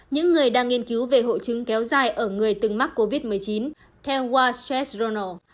những người đang nghiên cứu về hộ trứng kéo dài ở người từng mắc covid một mươi chín theo wall street journal